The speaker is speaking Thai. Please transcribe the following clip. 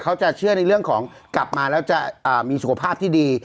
เขาจะเชื่อในเรื่องของกลับมาแล้วจะมีสุขภาพที่ดี